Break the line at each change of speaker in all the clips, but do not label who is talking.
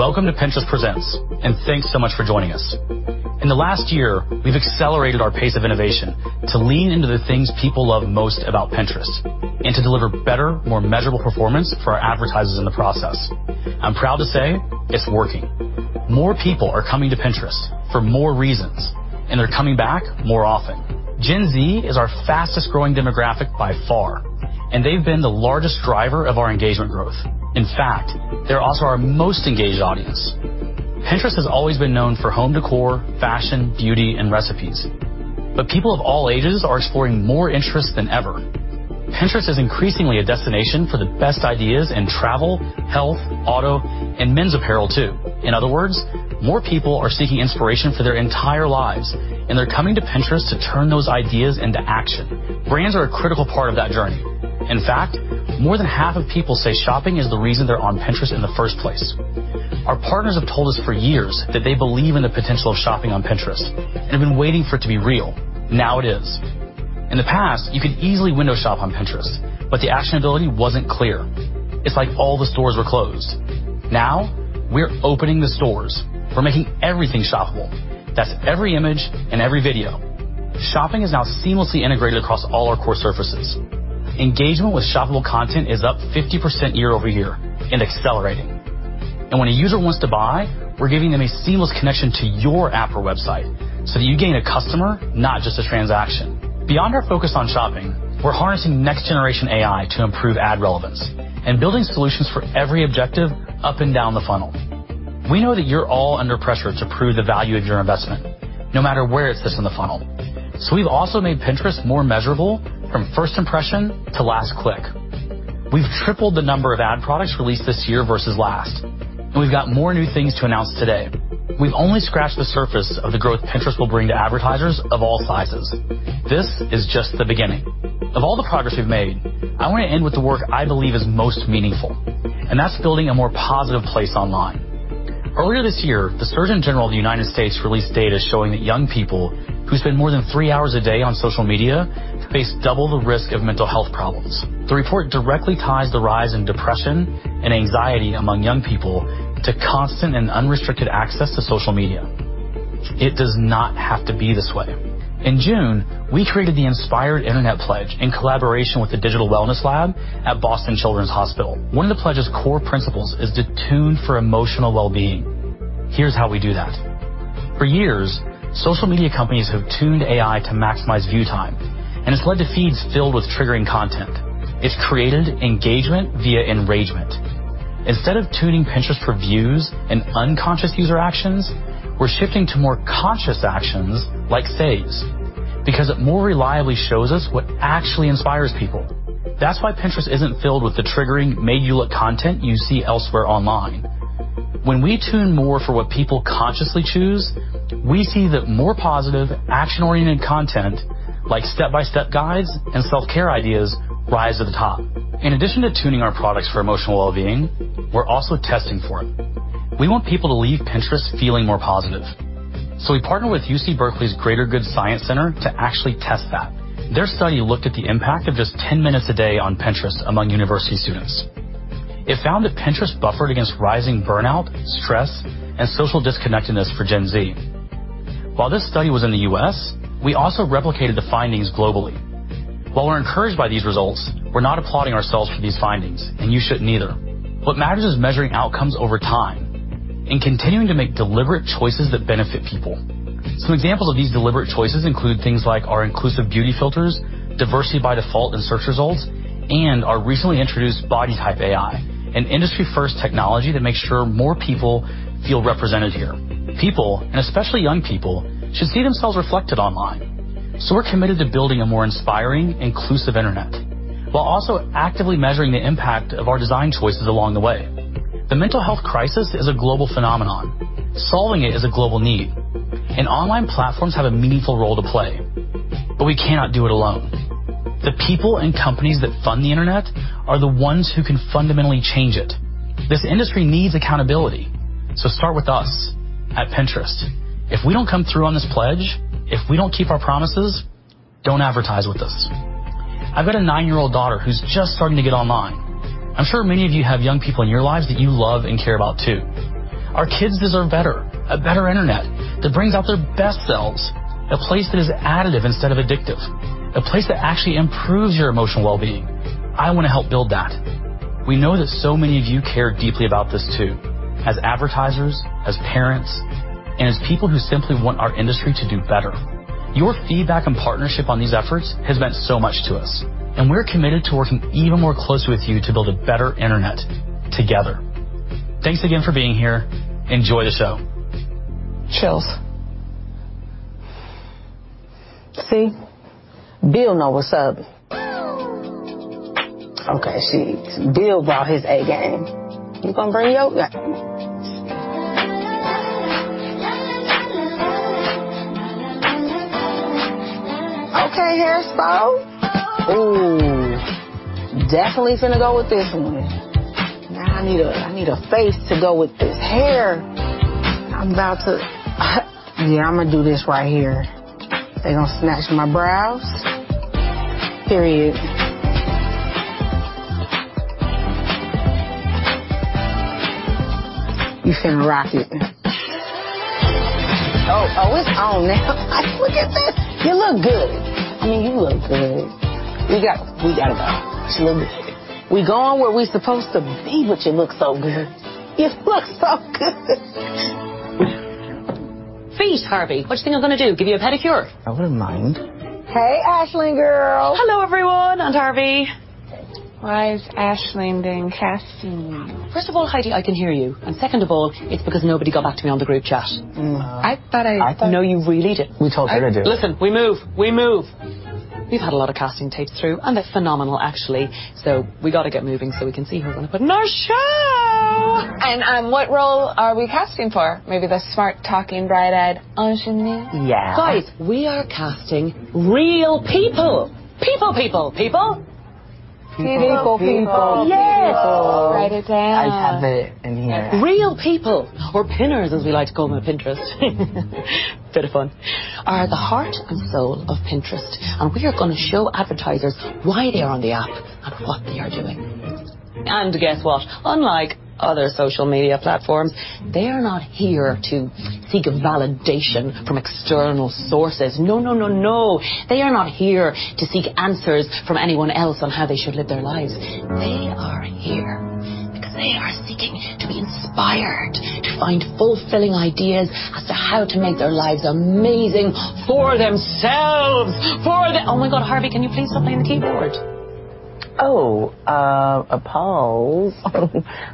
Welcome to Pinterest Presents, and thanks so much for joining us. In the last year, we've accelerated our pace of innovation to lean into the things people love most about Pinterest and to deliver better, more measurable performance for our advertisers in the process. I'm proud to say it's working. More people are coming to Pinterest for more reasons, and they're coming back more often. Gen Z is our fastest-growing demographic by far, and they've been the largest driver of our engagement growth. In fact, they're also our most engaged audience. Pinterest has always been known for home decor, fashion, beauty, and recipes, but people of all ages are exploring more interests than ever. Pinterest is increasingly a destination for the best ideas in travel, health, auto, and men's apparel, too. In other words, more people are seeking inspiration for their entire lives, and they're coming to Pinterest to turn those ideas into action. Brands are a critical part of that journey. In fact, more than half of people say shopping is the reason they're on Pinterest in the first place. Our partners have told us for years that they believe in the potential of shopping on Pinterest and have been waiting for it to be real. Now it is. In the past, you could easily window shop on Pinterest, but the actionability wasn't clear. It's like all the stores were closed. Now we're opening the stores. We're making everything shoppable. That's every image and every video. Shopping is now seamlessly integrated across all our core surfaces. Engagement with shoppable content is up 50% year-over-year and accelerating. When a user wants to buy, we're giving them a seamless connection to your app or website so that you gain a customer, not just a transaction. Beyond our focus on shopping, we're harnessing next-generation AI to improve ad relevance and building solutions for every objective up and down the funnel. We know that you're all under pressure to prove the value of your investment, no matter where it sits in the funnel. We've also made Pinterest more measurable from first impression to last click. We've tripled the number of ad products released this year versus last, and we've got more new things to announce today. We've only scratched the surface of the growth Pinterest will bring to advertisers of all sizes. This is just the beginning. Of all the progress we've made, I want to end with the work I believe is most meaningful, and that's building a more positive place online. Earlier this year, the Surgeon General of the United States released data showing that young people who spend more than 3 hours a day on social media face double the risk of mental health problems. The report directly ties the rise in depression and anxiety among young people to constant and unrestricted access to social media. It does not have to be this way. In June, we created the Inspired Internet Pledge in collaboration with the Digital Wellness Lab at Boston Children's Hospital. One of the pledge's core principles is to tune for emotional well-being. Here's how we do that. For years, social media companies have tuned AI to maximize view time, and it's led to feeds filled with triggering content. It's created engagement via enragement. Instead of tuning Pinterest for views and unconscious user actions, we're shifting to more conscious actions like saves, because it more reliably shows us what actually inspires people. That's why Pinterest isn't filled with the triggering, "made you look" content you see elsewhere online. When we tune more for what people consciously choose, we see that more positive, action-oriented content, like step-by-step guides and self-care ideas, rise to the top. In addition to tuning our products for emotional well-being, we're also testing for it. We want people to leave Pinterest feeling more positive. So we partnered with UC Berkeley's Greater Good Science Center to actually test that. Their study looked at the impact of just 10 minutes a day on Pinterest among university students. It found that Pinterest buffered against rising burnout, stress, and social disconnectedness for Gen Z. While this study was in the U.S., we also replicated the findings globally. While we're encouraged by these results, we're not applauding ourselves for these findings, and you shouldn't either. What matters is measuring outcomes over time and continuing to make deliberate choices that benefit people. Some examples of these deliberate choices include things like our inclusive beauty filters, diversity by default in search results, and our recently introduced body type AI, an industry-first technology that makes sure more people feel represented here. People, and especially young people, should see themselves reflected online. So we're committed to building a more inspiring, inclusive internet, while also actively measuring the impact of our design choices along the way. The mental health crisis is a global phenomenon. Solving it is a global need, and online platforms have a meaningful role to play, but we cannot do it alone. The people and companies that fund the internet are the ones who can fundamentally change it. This industry needs accountability, so start with us at Pinterest. If we don't come through on this pledge, if we don't keep our promises, don't advertise with us. I've got a nine-year-old daughter who's just starting to get online. I'm sure many of you have young people in your lives that you love and care about, too. Our kids deserve better, a better internet that brings out their best selves, a place that is additive instead of addictive, a place that actually improves your emotional well-being. I want to help build that. We know that so many of you care deeply about this, too, as advertisers, as parents, and as people who simply want our industry to do better. Your feedback and partnership on these efforts has meant so much to us, and we're committed to working even more closely with you to build a better internet together. Thanks again for being here. Enjoy the show.
Chills. See? Bill know what's up. Okay, she... Bill brought his A game. You gonna bring your game? Okay, hairstyle! Ooh, definitely finna go with this one. Now I need a, I need a face to go with this hair. I'm about to... Yeah, I'm going to do this right here. They gonna snatch my brows. Period. You finna rock it. Oh, oh, it's on now. Look at this! You look good. I mean, you look good. We got, we gotta go. She look good. We going where we supposed to be, but you look so good. You look so good. Feet, Harvey. What'd you think I'm gonna do, give you a pedicure? I wouldn't mind. Hey, Ashley, girl. Hello, everyone, and Harvey. Why is Ashley doing casting? First of all, Heidi, I can hear you, and second of all, it's because nobody got back to me on the group chat. Mm. I thought I- No, you really didn't. We told her to do it. Listen, we move. We move. We've had a lot of casting tapes through, and they're phenomenal, actually. So we gotta get moving, so we can see who we're gonna put in our show. What role are we casting for? Maybe the smart-talking, bright-eyed ingenue? Yeah. Guys, we are casting real people. People-people, people. People-people. People- People. Yes. Write it down. I have it in here. Real people, or Pinners, as we like to call them at Pinterest, bit of fun, are the heart and soul of Pinterest, and we are gonna show advertisers why they are on the app and what they are doing. And guess what? Unlike other social media platforms, they are not here to seek validation from external sources. No, no, no, no. They are not here to seek answers from anyone else on how they should live their lives. They are here because they are seeking to be inspired, to find fulfilling ideas as to how to make their lives amazing for themselves, for them... Oh, my God, Harvey, can you please stop playing the keyboard? Oh, apologies.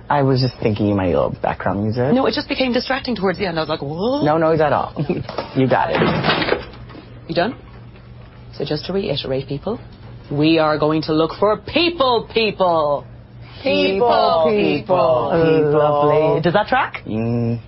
I was just thinking you might need a little background music. No, it just became distracting towards the end. I was like, "What? No, no, not at all. You got it. You done? So just to reiterate, people, we are going to look for people-people. People-people. People-people. Lovely. Does that track? Mm.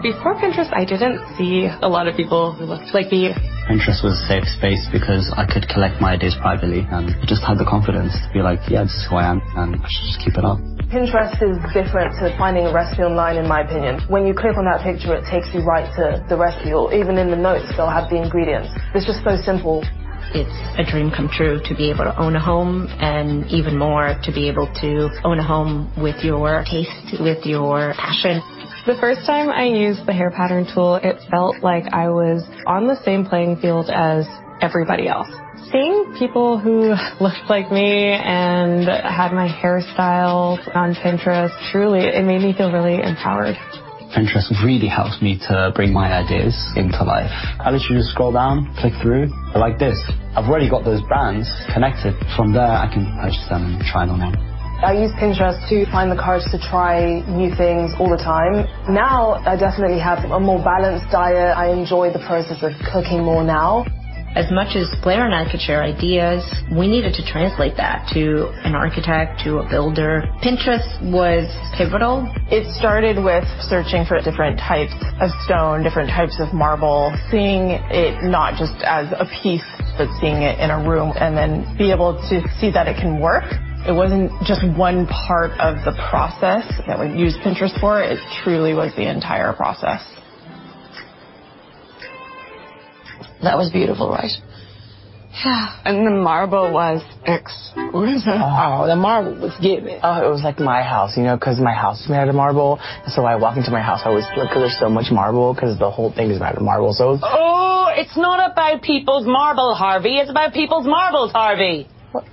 Grand. Before Pinterest, I didn't see a lot of people who looked like me. Pinterest was a safe space because I could collect my ideas privately and just have the confidence to be like: "Yeah, this is who I am, and I should just keep it up. Pinterest is different to finding a recipe online, in my opinion. When you click on that picture, it takes you right to the recipe, or even in the notes, they'll have the ingredients. It's just so simple. It's a dream come true to be able to own a home, and even more, to be able to own a home with your taste, with your passion. The first time I used the hair pattern tool, it felt like I was on the same playing field as everybody else. Seeing people who looked like me and had my hairstyles on Pinterest, truly, it made me feel really empowered. Pinterest really helps me to bring my ideas into life. I literally just scroll down, click through. Like this, I've already got those brands connected. From there, I can purchase them and try them on. I use Pinterest to find the courage to try new things all the time. Now, I definitely have a more balanced diet. I enjoy the process of cooking more now. As much as Blair and I could share ideas, we needed to translate that to an architect, to a builder. Pinterest was pivotal. It started with searching for different types of stone, different types of marble, seeing it not just as a piece, but seeing it in a room, and then being able to see that it can work. It wasn't just one part of the process that we used Pinterest for. It truly was the entire process. That was beautiful, right? Yeah. The marble was exquisite. Oh. Oh, the marble was giving. Oh, it was like my house, you know, 'cause my house is made out of marble. So when I walk into my house, I always look... 'cause there's so much marble, 'cause the whole thing is made out of marble, so it's- Oh, it's not about people's marble, Harvey. It's about people's marbles, Harvey. What?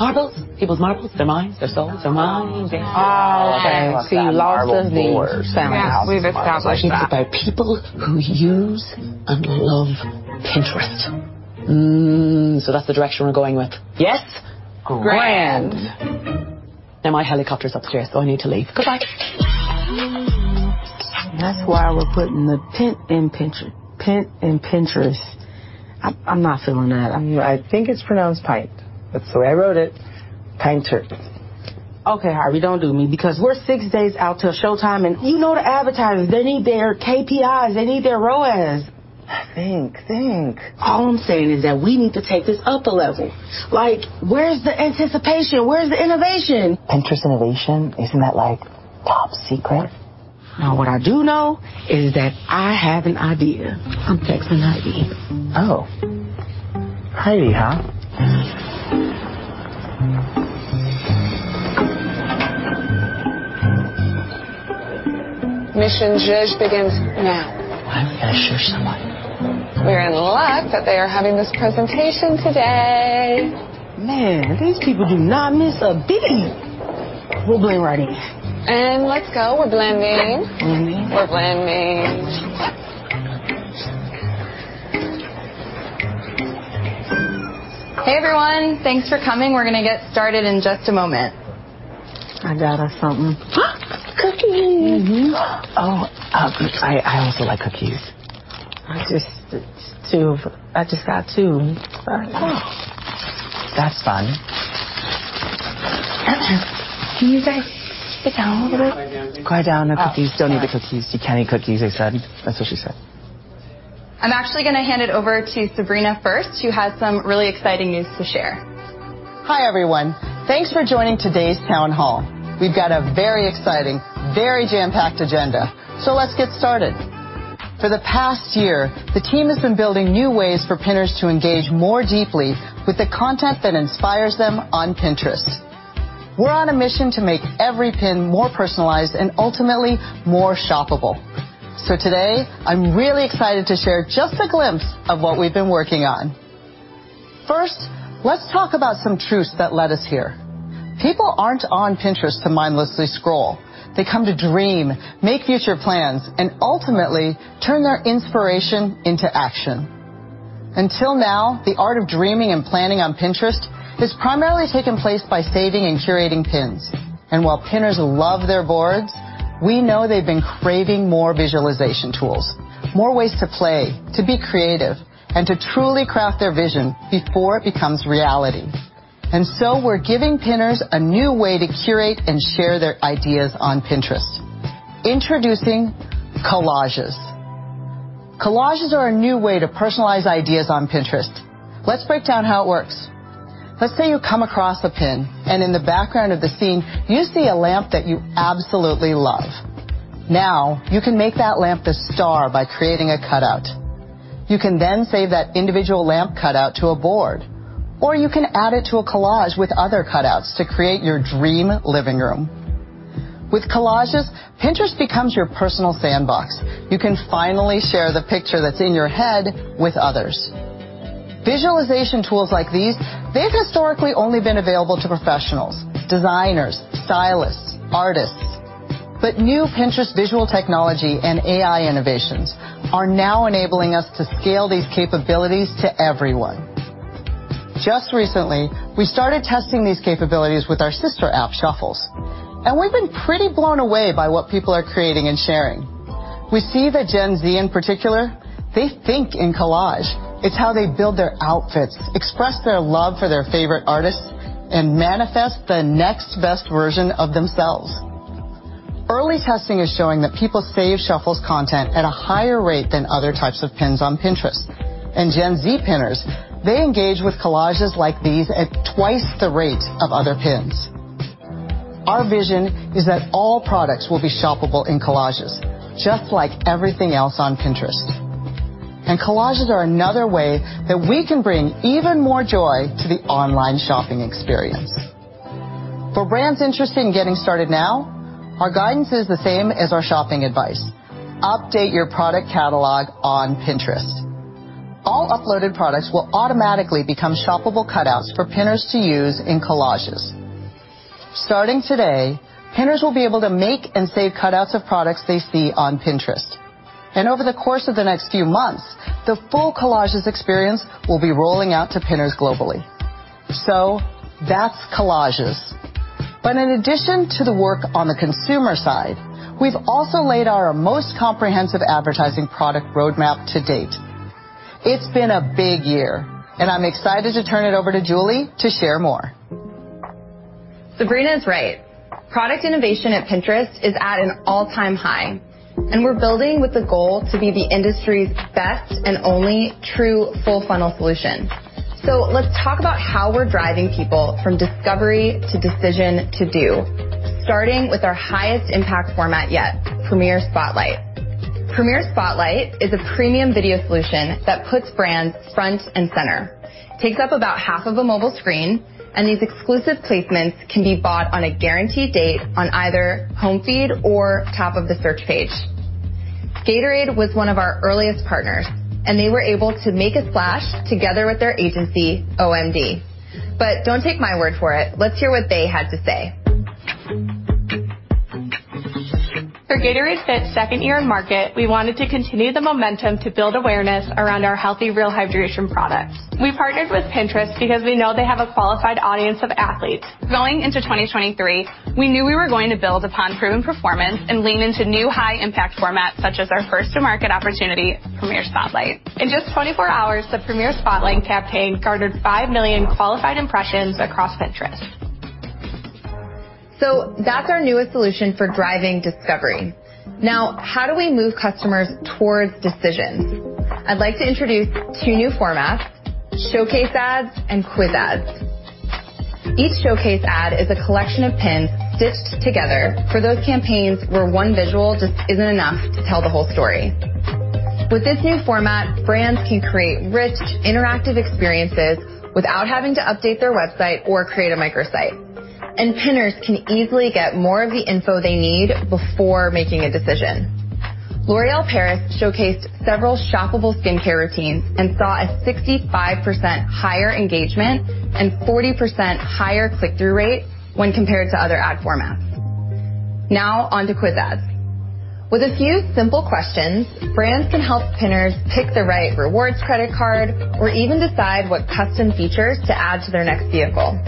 Marbles. People's marbles, their minds, their souls, their minds. Oh. Oh, okay. Oh, I thought you were talking about marble floors. See, Larson needs family. Yeah, we've established that. It's about people who use and love Pinterest. So that's the direction we're going with? Yes? Great. Grand. Grand. Now, my helicopter's upstairs, so I need to leave. Goodbye. That's why we're putting the pin in Pinterest. I'm not feeling that. I think it's pronounced Pinterest. That's the way I wrote it, Pinterest. Okay, Harvey, don't do me, because we're six days out till showtime, and you know the advertisers. They need their KPIs, they need their ROAS. Think, think. All I'm saying is that we need to take this up a level. Like, where's the anticipation? Where's the innovation? Pinterest innovation, isn't that, like, top secret? No, what I do know is that I have an idea. I'm texting Heidi. Oh. Heidi, huh? Mm. Mission Judge begins now. Why do we gotta judge somebody? We're in luck that they are having this presentation today. Man, these people do not miss a beat! We'll blend right in. Let's go. We're blending. Blending. We're blending. Hey, everyone. Thanks for coming. We're gonna get started in just a moment. I got us something. Cookies! Mm-hmm. Oh, I also like cookies. It's two. I just got two. Oh, that's fun. Can you guys sit down a little bit? Yeah. Quiet down. No cookies. Oh. Don't eat the cookies. You can't eat cookies, I said. That's what she said. I'm actually gonna hand it over to Sabrina first, who has some really exciting news to share....
Hi, everyone. Thanks for joining today's town hall. We've got a very exciting, very jam-packed agenda, so let's get started. For the past year, the team has been building new ways for Pinners to engage more deeply with the content that inspires them on Pinterest. We're on a mission to make every pin more personalized and ultimately more shoppable. So today, I'm really excited to share just a glimpse of what we've been working on. First, let's talk about some truths that led us here. People aren't on Pinterest to mindlessly scroll. They come to dream, make future plans, and ultimately turn their inspiration into action. Until now, the art of dreaming and planning on Pinterest has primarily taken place by saving and curating pins. While Pinners love their boards, we know they've been craving more visualization tools, more ways to play, to be creative, and to truly craft their vision before it becomes reality. So we're giving Pinners a new way to curate and share their ideas on Pinterest. Introducing Collages. Collages are a new way to personalize ideas on Pinterest. Let's break down how it works. Let's say you come across a pin, and in the background of the scene, you see a lamp that you absolutely love. Now, you can make that lamp the star by creating a cutout. You can then save that individual lamp cutout to a board, or you can add it to a collage with other cutouts to create your dream living room. With Collages, Pinterest becomes your personal sandbox. You can finally share the picture that's in your head with others. Visualization tools like these, they've historically only been available to professionals, designers, stylists, artists, but new Pinterest visual technology and AI innovations are now enabling us to scale these capabilities to everyone. Just recently, we started testing these capabilities with our sister app, Shuffles, and we've been pretty blown away by what people are creating and sharing. We see that Gen Z in particular, they think in collage. It's how they build their outfits, express their love for their favorite artists, and manifest the next best version of themselves. Early testing is showing that people save Shuffles content at a higher rate than other types of pins on Pinterest. And Gen Z Pinners, they engage with Collages like these at twice the rate of other pins. Our vision is that all products will be shoppable in Collages, just like everything else on Pinterest. Collages are another way that we can bring even more joy to the online shopping experience. For brands interested in getting started now, our guidance is the same as our shopping advice: update your product catalog on Pinterest. All uploaded products will automatically become shoppable cutouts for Pinners to use in Collages. Starting today, Pinners will be able to make and save cutouts of products they see on Pinterest. Over the course of the next few months, the full Collages experience will be rolling out to Pinners globally. That's Collages. In addition to the work on the consumer side, we've also laid our most comprehensive advertising product roadmap to date. It's been a big year, and I'm excited to turn it over to Julie to share more.
Sabrina is right. Product innovation at Pinterest is at an all-time high, and we're building with the goal to be the industry's best and only true full funnel solution. So let's talk about how we're driving people from discovery to decision to do, starting with our highest impact format yet, Premier Spotlight. Premier Spotlight is a premium video solution that puts brands front and center, takes up about half of a mobile screen, and these exclusive placements can be bought on a guaranteed date on either home feed or top of the search page. Gatorade was one of our earliest partners, and they were able to make a splash together with their agency, OMD. But don't take my word for it. Let's hear what they had to say.
For Gatorade Fit's second year in market, we wanted to continue the momentum to build awareness around our healthy, real hydration products. We partnered with Pinterest because we know they have a qualified audience of athletes. Going into 2023, we knew we were going to build upon proven performance and lean into new high impact formats, such as our first to market opportunity, Premier Spotlight. In just 24 hours, the Premier Spotlight campaign garnered 5 million qualified impressions across Pinterest.
So that's our newest solution for driving discovery. Now, how do we move customers towards decisions? I'd like to introduce two new formats: Showcase ads and Quiz ads. Each Showcase ad is a collection of pins stitched together for those campaigns where one visual just isn't enough to tell the whole story. With this new format, brands can create rich, interactive experiences without having to update their website or create a microsite. And Pinners can easily get more of the info they need before making a decision. L'Oréal Paris showcased several shoppable skincare routines and saw a 65% higher engagement and 40% higher click-through rate when compared to other ad formats. Now on to Quiz ads. With a few simple questions, brands can help Pinners pick the right rewards credit card or even decide what custom features to add to their next vehicle.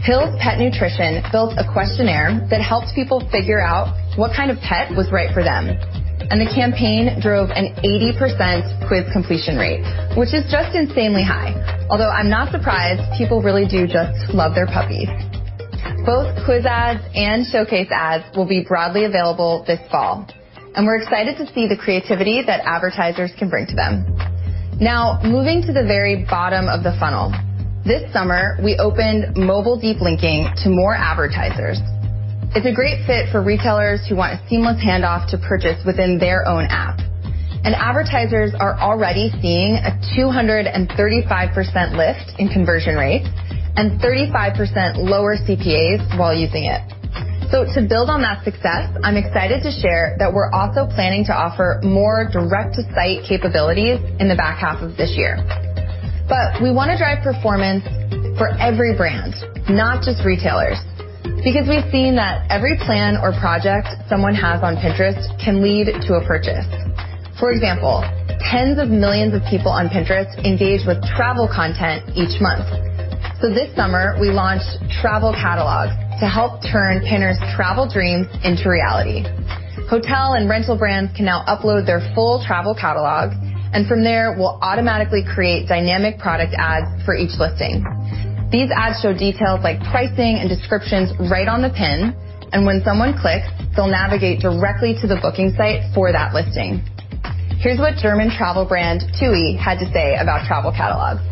Hill's Pet Nutrition built a questionnaire that helped people figure out what kind of pet was right for them, and the campaign drove an 80% quiz completion rate, which is just insanely high. Although I'm not surprised, people really do just love their puppies.... Both Quiz ads and Showcase ads will be broadly available this fall, and we're excited to see the creativity that advertisers can bring to them. Now, moving to the very bottom of the funnel. This summer, we opened Mobile deep linking to more advertisers. It's a great fit for retailers who want a seamless handoff to purchase within their own app, and advertisers are already seeing a 235% lift in conversion rates and 35% lower CPAs while using it. So to build on that success, I'm excited to share that we're also planning to offer more direct-to-site capabilities in the back half of this year. But we want to drive performance for every brand, not just retailers, because we've seen that every plan or project someone has on Pinterest can lead to a purchase. For example, tens of millions of people on Pinterest engage with travel content each month. So this summer, we launched Travel Catalogs to help turn Pinners travel dreams into reality. Hotel and rental brands can now upload their full travel catalog, and from there, we'll automatically create dynamic product ads for each listing. These ads show details like pricing and descriptions right on the pin, and when someone clicks, they'll navigate directly to the booking site for that listing. Here's what German travel brand, TUI, had to say about Travel Catalogs.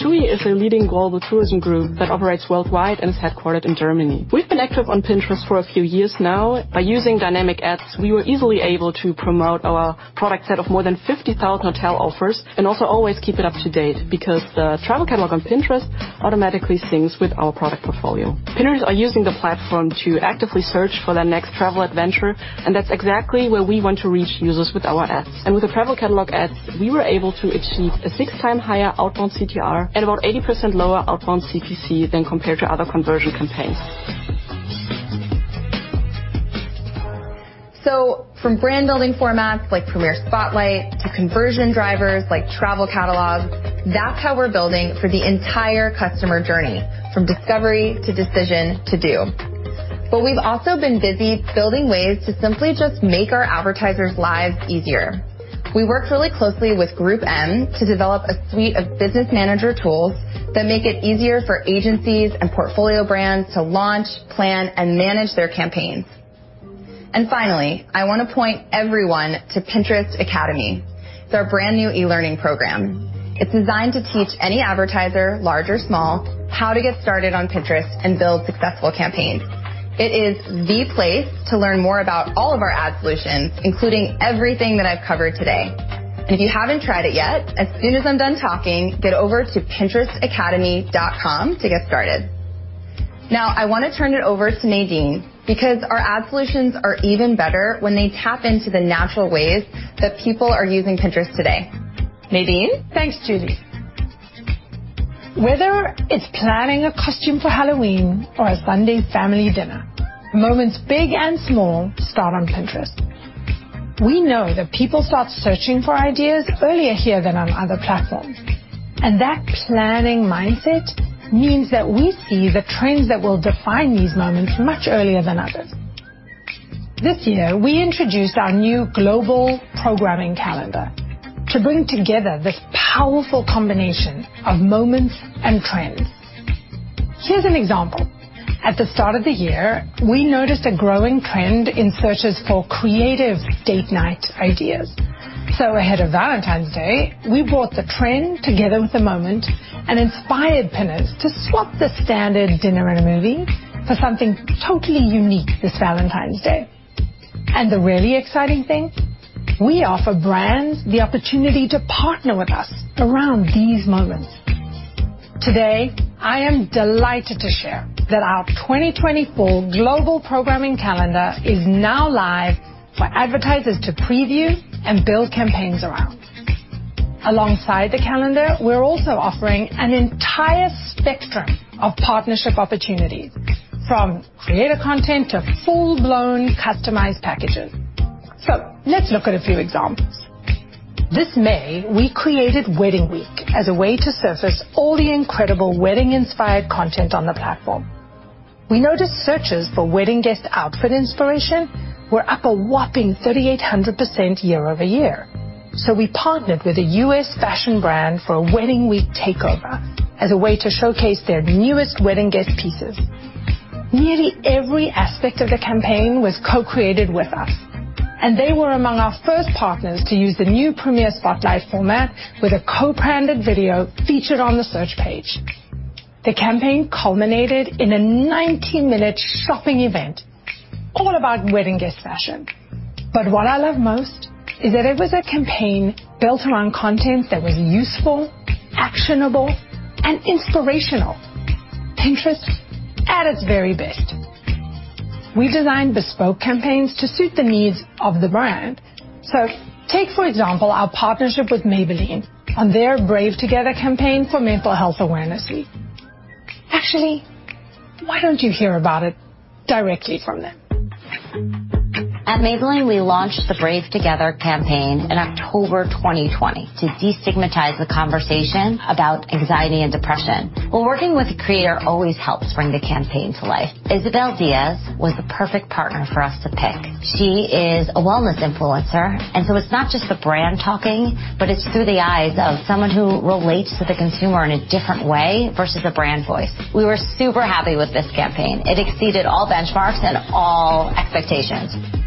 TUI is a leading global tourism group that operates worldwide and is headquartered in Germany. We've been active on Pinterest for a few years now. By using dynamic ads, we were easily able to promote our product set of more than 50,000 hotel offers and also always keep it up to date, because the Travel Catalog on Pinterest automatically syncs with our product portfolio. Pinners are using the platform to actively search for their next travel adventure, and that's exactly where we want to reach users with our ads. With the Travel Catalog ads, we were able to achieve a 6 time higher outbound CTR and about 80% lower outbound CPC than compared to other conversion campaigns.
So from brand building formats like Premier Spotlight to conversion drivers like Travel Catalogs, that's how we're building for the entire customer journey, from discovery to decision to do. But we've also been busy building ways to simply just make our advertisers' lives easier. We worked really closely with GroupM to develop a suite of business manager tools that make it easier for agencies and portfolio brands to launch, plan, and manage their campaigns. And finally, I want to point everyone to Pinterest Academy. It's our brand new e-learning program. It's designed to teach any advertiser, large or small, how to get started on Pinterest and build successful campaigns. It is the place to learn more about all of our ad solutions, including everything that I've covered today. And if you haven't tried it yet, as soon as I'm done talking, get over to pinterestacademy.com to get started. Now, I want to turn it over to Nadine, because our ad solutions are even better when they tap into the natural ways that people are using Pinterest today. Nadine?
Thanks, Julie. Whether it's planning a costume for Halloween or a Sunday family dinner, moments big and small start on Pinterest. We know that people start searching for ideas earlier here than on other platforms, and that planning mindset means that we see the trends that will define these moments much earlier than others. This year, we introduced our new global programming calendar to bring together this powerful combination of moments and trends. Here's an example: At the start of the year, we noticed a growing trend in searches for creative date night ideas. So ahead of Valentine's Day, we brought the trend together with the moment and inspired pinners to swap the standard dinner and a movie for something totally unique this Valentine's Day. And the really exciting thing, we offer brands the opportunity to partner with us around these moments. Today, I am delighted to share that our 2024 Global Programming Calendar is now live for advertisers to preview and build campaigns around. Alongside the calendar, we're also offering an entire spectrum of partnership opportunities, from creator content to full-blown customized packages. Let's look at a few examples. This May, we created Wedding Week as a way to surface all the incredible wedding-inspired content on the platform. We noticed searches for wedding guest outfit inspiration were up a whopping 3,800% year-over-year. We partnered with a U.S. fashion brand for a Wedding Week takeover as a way to showcase their newest wedding guest pieces. Nearly every aspect of the campaign was co-created with us, and they were among our first partners to use the new Premier Spotlight format with a co-branded video featured on the search page. The campaign culminated in a 90-minute shopping event all about wedding guest fashion. But what I love most is that it was a campaign built around content that was useful, actionable, and inspirational. Pinterest at its very best. We designed bespoke campaigns to suit the needs of the brand. So take, for example, our partnership with Maybelline on their Brave Together campaign for Mental Health Awareness Week. Actually, why don't you hear about it directly from them?
At Maybelline, we launched the Brave Together campaign in October 2020 to destigmatize the conversation about anxiety and depression. Well, working with a creator always helps bring the campaign to life. Isabelle Daza was the perfect partner for us to pick. She is a wellness influencer, and so it's not just the brand talking, but it's through the eyes of someone who relates to the consumer in a different way versus a brand voice. We were super happy with this campaign. It exceeded all benchmarks and all expectations. ...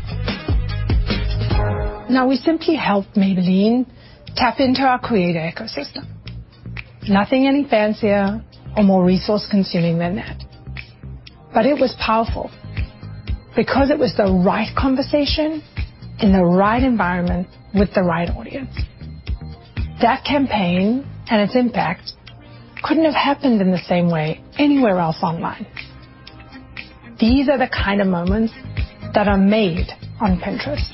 Now, we simply helped Maybelline tap into our creator ecosystem. Nothing any fancier or more resource-consuming than that. But it was powerful because it was the right conversation in the right environment with the right audience. That campaign and its impact couldn't have happened in the same way anywhere else online. These are the kind of moments that are made on Pinterest,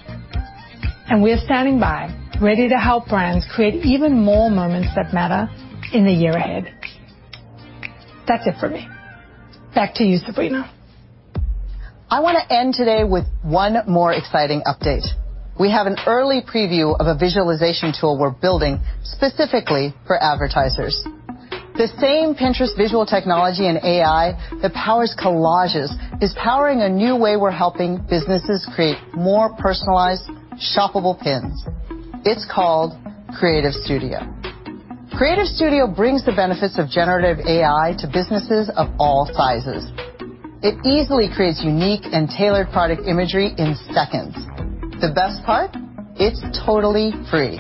and we're standing by, ready to help brands create even more moments that matter in the year ahead. That's it for me. Back to you, Sabrina.
I want to end today with one more exciting update. We have an early preview of a visualization tool we're building specifically for advertisers. The same Pinterest visual technology and AI that powers Collages is powering a new way we're helping businesses create more personalized, shoppable pins. It's called Creative Studio. Creative Studio brings the benefits of Generative AI to businesses of all sizes. It easily creates unique and tailored product imagery in seconds. The best part? It's totally free.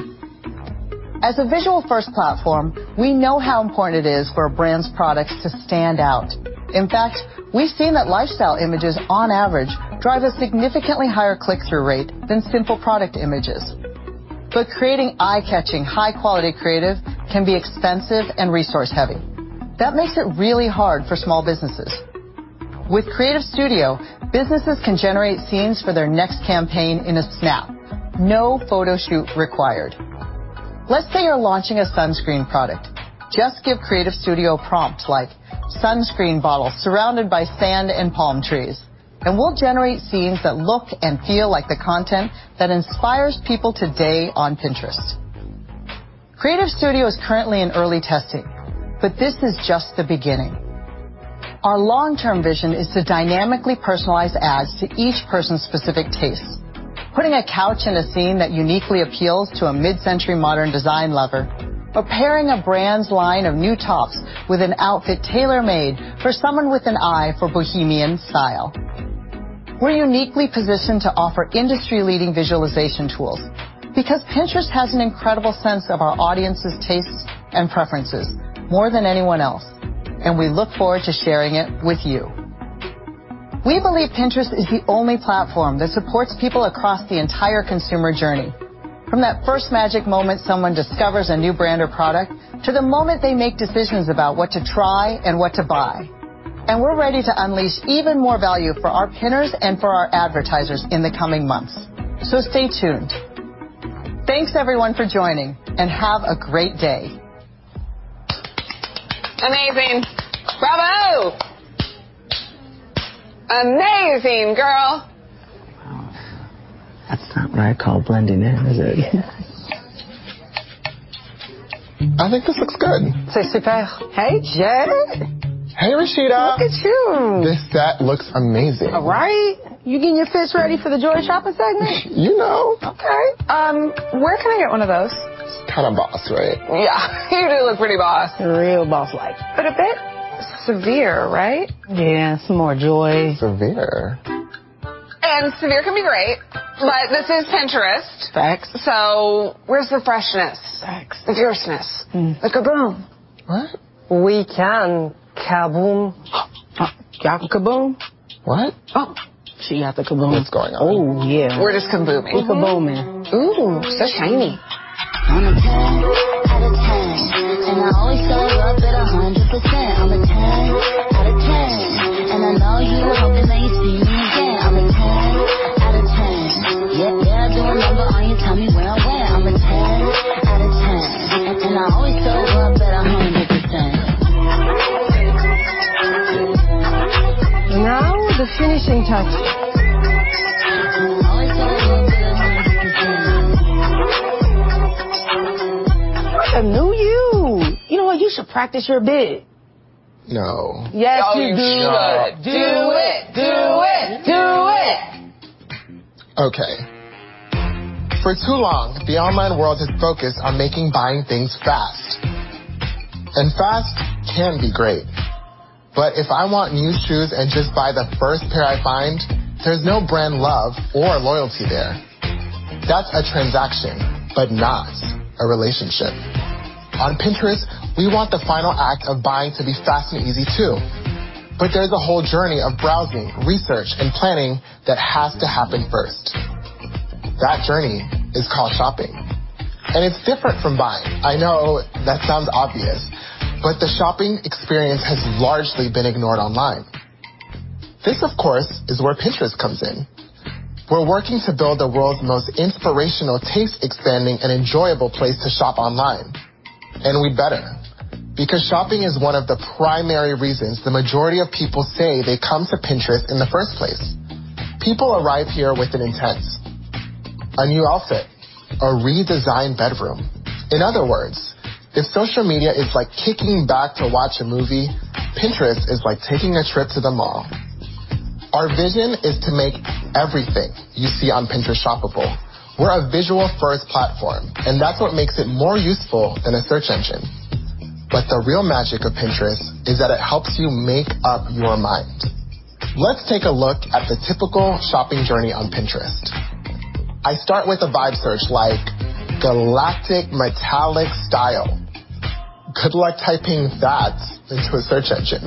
As a visual-first platform, we know how important it is for a brand's products to stand out. In fact, we've seen that lifestyle images, on average, drive a significantly higher click-through rate than simple product images. But creating eye-catching, high-quality creative can be expensive and resource-heavy. That makes it really hard for small businesses. With Creative Studio, businesses can generate scenes for their next campaign in a snap, no photo shoot required. Let's say you're launching a sunscreen product. Just give Creative Studio prompts like, "sunscreen bottle surrounded by sand and palm trees," and we'll generate scenes that look and feel like the content that inspires people today on Pinterest. Creative Studio is currently in early testing, but this is just the beginning. Our long-term vision is to dynamically personalize ads to each person's specific tastes. Putting a couch in a scene that uniquely appeals to a mid-century modern design lover, or pairing a brand's line of new tops with an outfit tailor-made for someone with an eye for bohemian style. We're uniquely positioned to offer industry-leading visualization tools because Pinterest has an incredible sense of our audience's tastes and preferences, more than anyone else, and we look forward to sharing it with you. We believe Pinterest is the only platform that supports people across the entire consumer journey, from that first magic moment someone discovers a new brand or product, to the moment they make decisions about what to try and what to buy. And we're ready to unleash even more value for our Pinners and for our advertisers in the coming months. So stay tuned. Thanks, everyone, for joining, and have a great day.
Amazing! Bravo. Amazing, girl. Well, that's not what I call blending in, is it? I think this looks good. C'est super. Hey, Jay! Hey, Rashida. Look at you. This set looks amazing. Right? You getting your fits ready for the Joy Shopper segment? You know. Okay. Where can I get one of those? It's kinda boss, right? Yeah, you do look pretty boss. Real boss life. But a bit severe, right? Yeah, some more joy. Severe? Severe can be great, but this is Pinterest. Facts. So where's the freshness? Facts. The fierceness? Mm. The kaboom? What? We can kaboom. You got the kaboom? What? Oh, she got the kaboom. What's going on? Oh, yeah. We're just kabooming. We're kabooming. Ooh, so shiny. I'm a 10 out of 10, and I only show up at 100%. I'm a 10 out of 10, and I know you were hoping that you'd see me again. I'm a 10 out of 10. Yeah, yeah, do a number on you, tell me where I'm went. I'm a 10 out of 10, and I always show up at 100%. Now, the finishing touch. Always show up at 100%. Like a new you! You know what? You should practice your bit. No. Yes, you should. Oh, do it. Do it! Do it! Do it!
Okay. For too long, the online world has focused on making buying things fast, and fast can be great, but if I want new shoes and just buy the first pair I find, there's no brand love or loyalty there. That's a transaction, but not a relationship. On Pinterest, we want the final act of buying to be fast and easy, too, but there's a whole journey of browsing, research, and planning that has to happen first. That journey is called shopping, and it's different from buying. I know that sounds obvious, but the shopping experience has largely been ignored online. This, of course, is where Pinterest comes in. We're working to build the world's most inspirational, taste-expanding, and enjoyable place to shop online. And we better, because shopping is one of the primary reasons the majority of people say they come to Pinterest in the first place. People arrive here with an intent: a new outfit, a redesigned bedroom. In other words, if social media is like kicking back to watch a movie, Pinterest is like taking a trip to the mall. Our vision is to make everything you see on Pinterest shoppable. We're a visual-first platform, and that's what makes it more useful than a search engine.... But the real magic of Pinterest is that it helps you make up your mind. Let's take a look at the typical shopping journey on Pinterest. I start with a vibe search like galactic metallic style. Good luck typing that into a search engine.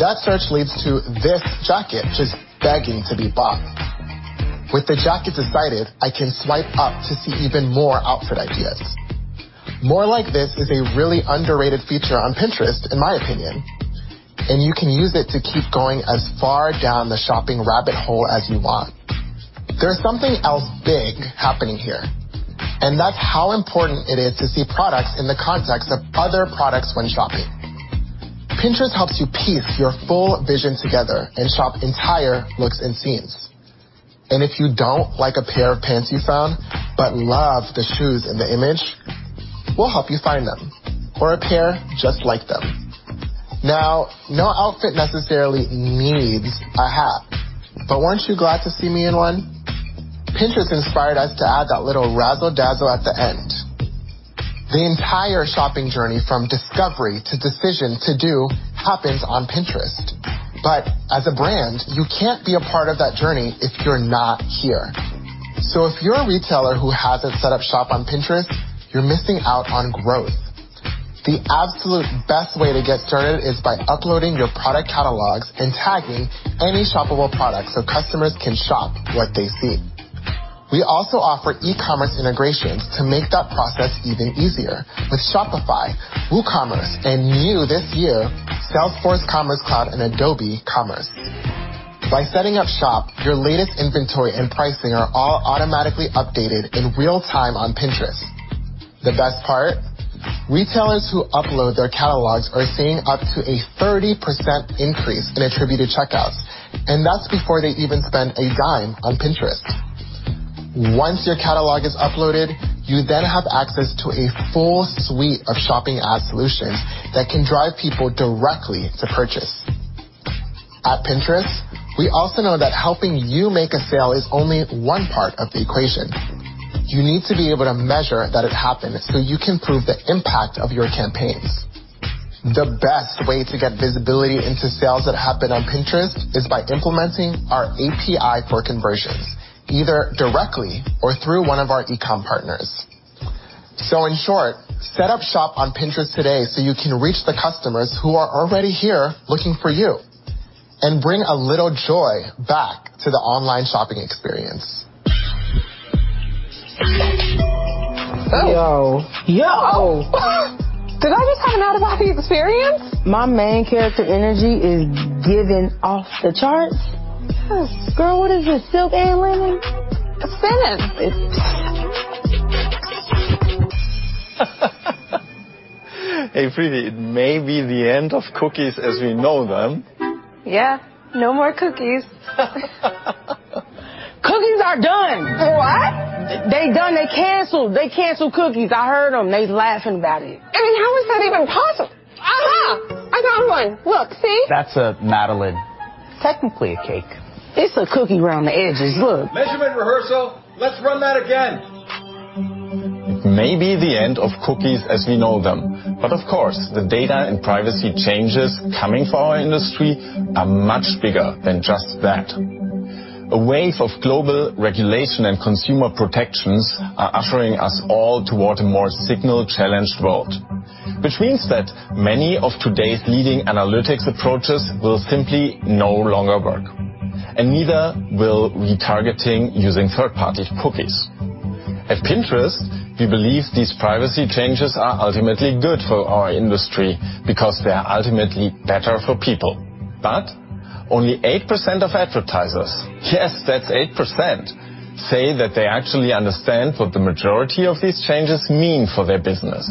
That search leads to this jacket just begging to be bought. With the jacket decided, I can swipe up to see even more outfit ideas. More like this is a really underrated feature on Pinterest, in my opinion, and you can use it to keep going as far down the shopping rabbit hole as you want. There's something else big happening here, and that's how important it is to see products in the context of other products when shopping. Pinterest helps you piece your full vision together and shop entire looks and scenes. And if you don't like a pair of pants you found but love the shoes in the image, we'll help you find them or a pair just like them. Now, no outfit necessarily needs a hat, but weren't you glad to see me in one? Pinterest inspired us to add that little razzle dazzle at the end. The entire shopping journey, from discovery to decision to do, happens on Pinterest. But as a brand, you can't be a part of that journey if you're not here. So if you're a retailer who hasn't set up shop on Pinterest, you're missing out on growth. The absolute best way to get started is by uploading your product catalogs and tagging any shoppable product so customers can shop what they see. We also offer e-commerce integrations to make that process even easier with Shopify, WooCommerce, and new this year, Salesforce Commerce Cloud and Adobe Commerce. By setting up shop, your latest inventory and pricing are all automatically updated in real time on Pinterest. The best part? Retailers who upload their catalogs are seeing up to a 30% increase in attributed checkouts, and that's before they even spend a dime on Pinterest. Once your catalog is uploaded, you then have access to a full suite of shopping ad solutions that can drive people directly to purchase. At Pinterest, we also know that helping you make a sale is only one part of the equation. You need to be able to measure that it happened, so you can prove the impact of your campaigns. The best way to get visibility into sales that happen on Pinterest is by implementing our API for Conversions, either directly or through one of our e-com partners. So in short, set up shop on Pinterest today so you can reach the customers who are already here looking for you and bring a little joy back to the online shopping experience.
Yo! Yo. Oh, did I just have an out-of-body experience? My main character energy is giving off the charts. Yes. Girl, what is this, silk and linen? It's linen. It's... Hey, privacy, it may be the end of cookies as we know them. Yeah, no more cookies. Cookies are done! What? They done. They canceled. They canceled cookies. I heard them. They laughing about it. I mean, how is that even possible? Aha, I found one. Look, see? That's a madeleine. Technically a cake. It's a cookie around the edges. Look. Measurement rehearsal. Let's run that again.
It may be the end of cookies as we know them, but of course, the data and privacy changes coming for our industry are much bigger than just that. A wave of global regulation and consumer protections are ushering us all toward a more signal-challenged world, which means that many of today's leading analytics approaches will simply no longer work, and neither will retargeting using third-party cookies. At Pinterest, we believe these privacy changes are ultimately good for our industry because they are ultimately better for people. But only 8% of advertisers, yes, that's 8%, say that they actually understand what the majority of these changes mean for their business.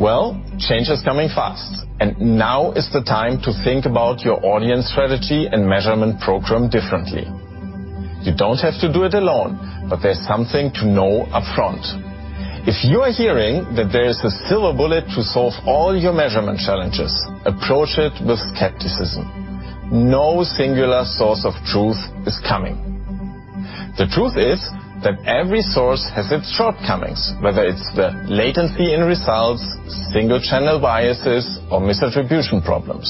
Well, change is coming fast, and now is the time to think about your audience strategy and measurement program differently. You don't have to do it alone, but there's something to know upfront. If you are hearing that there is a silver bullet to solve all your measurement challenges, approach it with skepticism. No singular source of truth is coming. The truth is that every source has its shortcomings, whether it's the latency in results, single channel biases, or misattribution problems.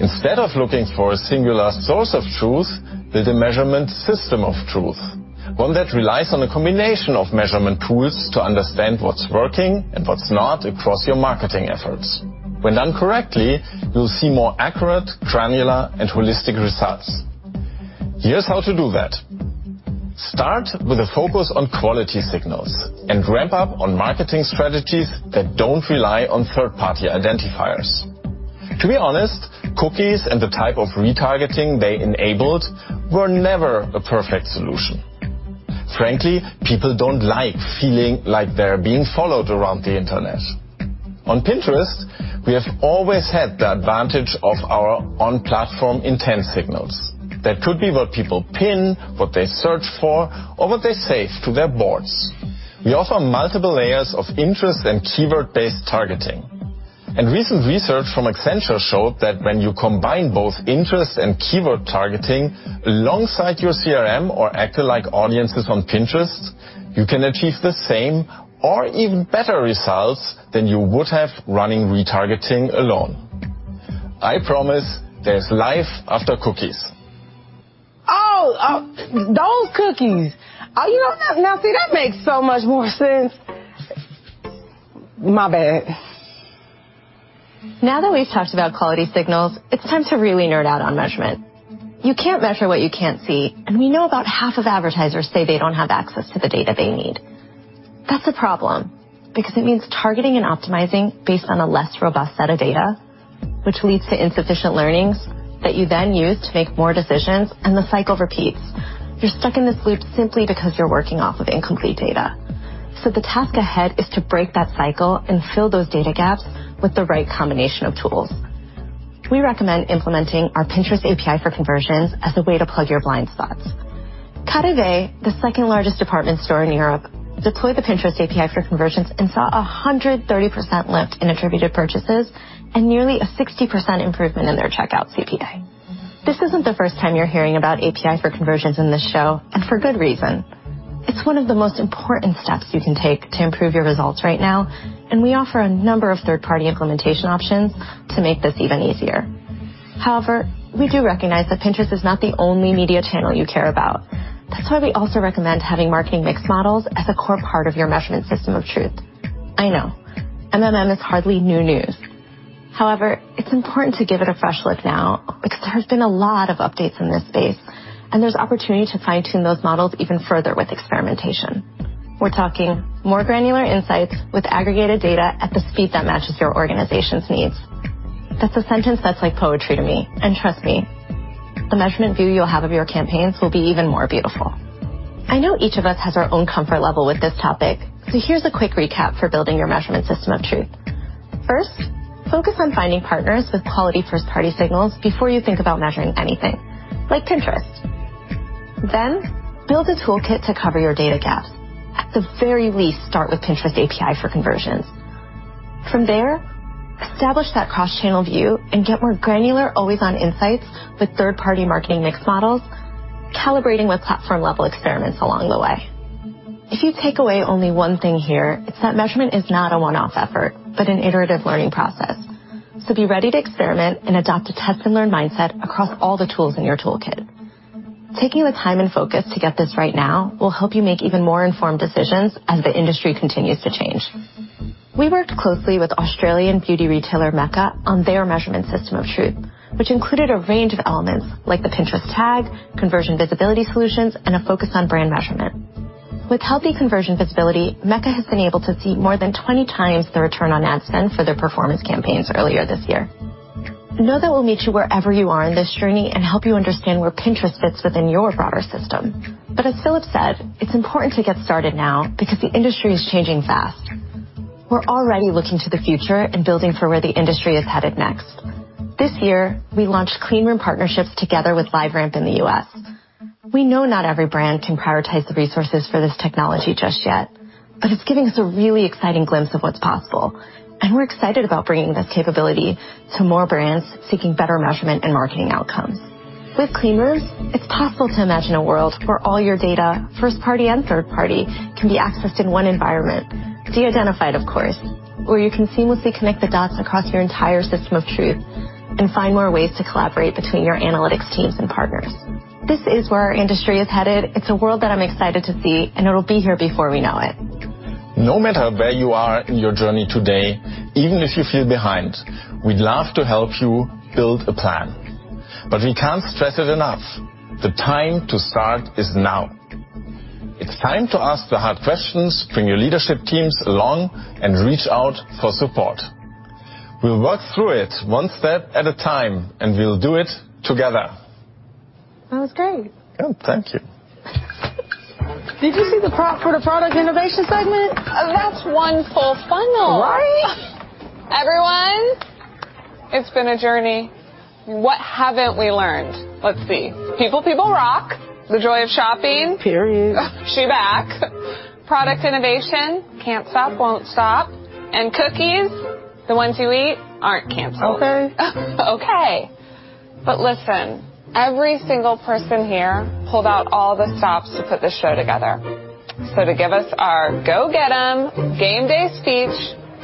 Instead of looking for a singular source of truth, build a measurement system of truth, one that relies on a combination of measurement tools to understand what's working and what's not across your marketing efforts. When done correctly, you'll see more accurate, granular, and holistic results. Here's how to do that. Start with a focus on quality signals and ramp up on marketing strategies that don't rely on third-party identifiers. To be honest, cookies and the type of retargeting they enabled were never a perfect solution. Frankly, people don't like feeling like they're being followed around the internet. On Pinterest, we have always had the advantage of our on-platform intent signals. That could be what people pin, what they search for, or what they save to their boards. We offer multiple layers of interest and keyword-based targeting. Recent research from Accenture showed that when you combine both interest and keyword targeting alongside your CRM or act-alike audiences on Pinterest, you can achieve the same or even better results than you would have running retargeting alone. I promise there's life after cookies.
Oh! Those cookies. Oh, you know, now, see, that makes so much more sense. My bad.
Now that we've talked about quality signals, it's time to really nerd out on measurement. You can't measure what you can't see, and we know about half of advertisers say they don't have access to the data they need. That's a problem because it means targeting and optimizing based on a less robust set of data, which leads to insufficient learnings that you then use to make more decisions, and the cycle repeats. You're stuck in this loop simply because you're working off of incomplete data. The task ahead is to break that cycle and fill those data gaps with the right combination of tools. We recommend implementing our Pinterest API for Conversions as a way to plug your blind spots. KaDeWe, the second-largest department store in Europe, deployed the Pinterest API for Conversions and saw a 130% lift in attributed purchases and nearly a 60% improvement in their checkout CPA. This isn't the first time you're hearing about API for conversions in this show, and for good reason. It's one of the most important steps you can take to improve your results right now, and we offer a number of third-party implementation options to make this even easier. However, we do recognize that Pinterest is not the only media channel you care about. That's why we also recommend having marketing mix models as a core part of your measurement system of truth. I know, MMM is hardly new news. However, it's important to give it a fresh look now because there's been a lot of updates in this space, and there's opportunity to fine-tune those models even further with experimentation. We're talking more granular insights with aggregated data at the speed that matches your organization's needs. That's a sentence that's like poetry to me, and trust me, the measurement view you'll have of your campaigns will be even more beautiful. I know each of us has our own comfort level with this topic, so here's a quick recap for building your measurement system of truth. First, focus on finding partners with quality first-party signals before you think about measuring anything, like Pinterest. Then, build a toolkit to cover your data gaps. At the very least, start with Pinterest API for Conversions. From there, establish that cross-channel view and get more granular always-on insights with third-party marketing mix models, calibrating with platform-level experiments along the way. If you take away only one thing here, it's that measurement is not a one-off effort, but an iterative learning process. So be ready to experiment and adopt a test-and-learn mindset across all the tools in your toolkit. Taking the time and focus to get this right now will help you make even more informed decisions as the industry continues to change. We worked closely with Australian beauty retailer Mecca on their measurement system of truth, which included a range of elements like the Pinterest Tag, conversion visibility solutions, and a focus on brand measurement. With healthy conversion visibility, Mecca has been able to see more than 20x the return on ad spend for their performance campaigns earlier this year. Know that we'll meet you wherever you are in this journey and help you understand where Pinterest fits within your broader system. But as Philipp said, it's important to get started now because the industry is changing fast. We're already looking to the future and building for where the industry is headed next. This year, we launched clean room partnerships together with LiveRamp in the U.S. We know not every brand can prioritize the resources for this technology just yet, but it's giving us a really exciting glimpse of what's possible, and we're excited about bringing this capability to more brands seeking better measurement and marketing outcomes. With clean rooms, it's possible to imagine a world where all your data, first-party and third-party, can be accessed in one environment. De-identified, of course, where you can seamlessly connect the dots across your entire system of truth and find more ways to collaborate between your analytics teams and partners. This is where our industry is headed. It's a world that I'm excited to see, and it'll be here before we know it.
No matter where you are in your journey today, even if you feel behind, we'd love to help you build a plan. But we can't stress it enough, the time to start is now. It's time to ask the hard questions, bring your leadership teams along, and reach out for support. We'll work through it one step at a time, and we'll do it together.
That was great! Good. Thank you. Did you see the prop for the product innovation segment? That's one full funnel. Right? Everyone, it's been a journey. What haven't we learned? Let's see. People, people rock. The joy of shopping. Period. She's back. Product innovation: can't stop, won't stop. And cookies, the ones you eat, aren't canceled. Okay. Okay. But listen, every single person here pulled out all the stops to put this show together. So to give us our go-get-'em game day speech,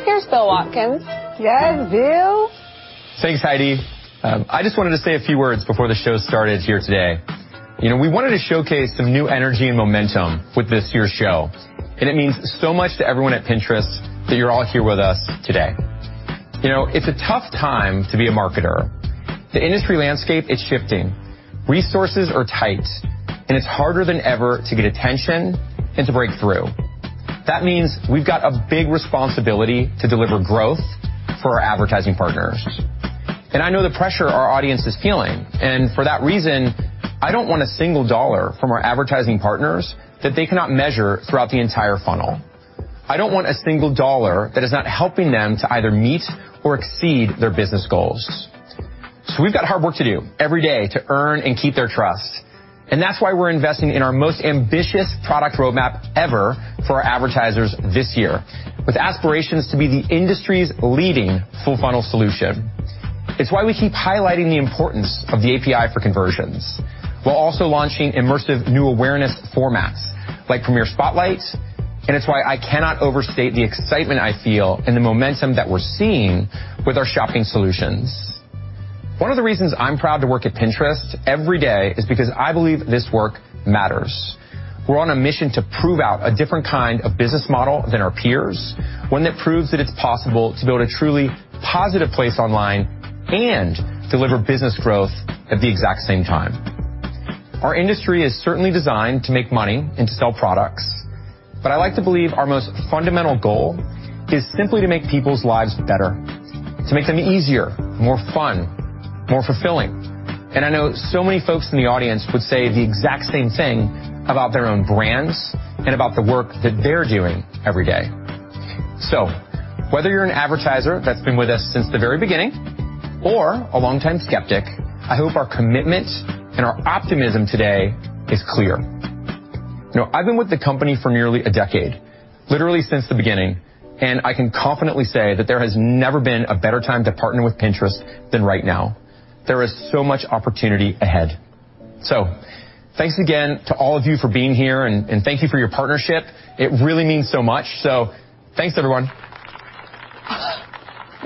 here's Bill Watkins. Yes, Bill!
Thanks, Heidi. I just wanted to say a few words before the show started here today. You know, we wanted to showcase some new energy and momentum with this year's show, and it means so much to everyone at Pinterest that you're all here with us today. You know, it's a tough time to be a marketer. The industry landscape is shifting. Resources are tight, and it's harder than ever to get attention and to break through. That means we've got a big responsibility to deliver growth for our advertising partners. And I know the pressure our audience is feeling, and for that reason, I don't want a single dollar from our advertising partners that they cannot measure throughout the entire funnel. I don't want a single dollar that is not helping them to either meet or exceed their business goals. So we've got hard work to do every day to earn and keep their trust, and that's why we're investing in our most ambitious product roadmap ever for our advertisers this year, with aspirations to be the industry's leading full-funnel solution. It's why we keep highlighting the importance of the API for conversions, while also launching immersive new awareness formats like Premier Spotlight, and it's why I cannot overstate the excitement I feel and the momentum that we're seeing with our shopping solutions. One of the reasons I'm proud to work at Pinterest every day is because I believe this work matters. We're on a mission to prove out a different kind of business model than our peers, one that proves that it's possible to build a truly positive place online and deliver business growth at the exact same time. Our industry is certainly designed to make money and to sell products, but I like to believe our most fundamental goal is simply to make people's lives better, to make them easier, more fun, more fulfilling. And I know so many folks in the audience would say the exact same thing about their own brands and about the work that they're doing every day. So whether you're an advertiser that's been with us since the very beginning or a longtime skeptic, I hope our commitment and our optimism today is clear. You know, I've been with the company for nearly a decade, literally since the beginning, and I can confidently say that there has never been a better time to partner with Pinterest than right now. There is so much opportunity ahead. So thanks again to all of you for being here and thank you for your partnership. It really means so much, so thanks, everyone.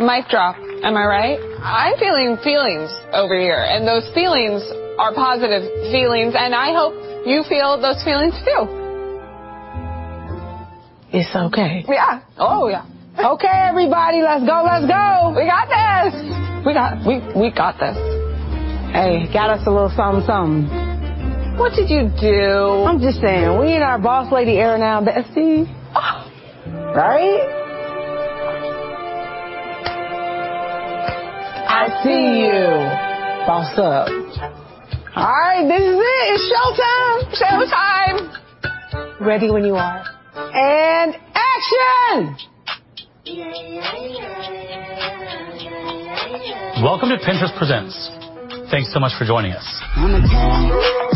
Mic drop. Am I right? I'm feeling feelings over here, and those feelings are positive feelings, and I hope you feel those feelings, too. It's okay. Yeah. Oh, yeah. Okay, everybody, let's go, let's go! We got this. We got this. Hey, got us a little something, something. What did you do? I'm just saying, we in our boss lady era now, bestie. Oh. Right? I see you. I see you. Boss up. All right, this is it. It's showtime! Showtime. Ready when you are. And action!
Welcome to Pinterest Presents. Thanks so much for joining us.